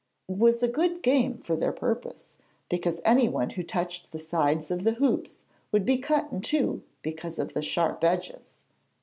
It was a good game for their purpose, because anyone who touched the side of the hoops would be cut in two, because of the sharp edges.